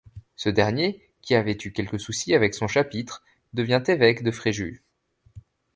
Ce dernier, qui avait eu quelques soucis avec son chapitre, devient évêque de Fréjus.